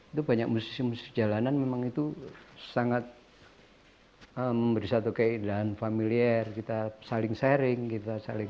itu banyak musisi musisi jalanan memang itu sangat memberi satu keindahan familiar kita saling sharing kita saling